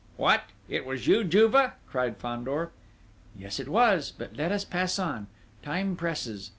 "What! It was you, Juve!" cried Fandor. "Yes, it was ... but let us pass on! Time presses.